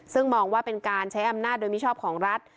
ซึ่งมองว่าเป็นการใช้อำนาจโดยมิชอบของรัฐ